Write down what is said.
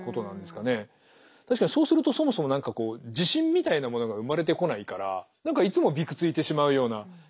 確かにそうするとそもそも何か自信みたいなものが生まれてこないから何かいつもびくついてしまうような。